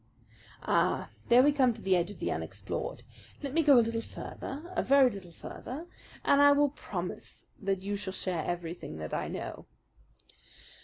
"Ah, there we come to the edge of the unexplored. Let me go a little further, a very little further, and I will promise that you shall share everything that I know."